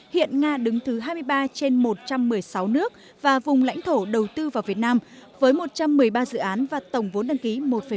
hiện nga đứng thứ hai mươi ba trên một trăm một mươi sáu nước và vùng lãnh thổ đầu tư vào việt nam với một trăm một mươi ba dự án và tổng vốn đăng ký một năm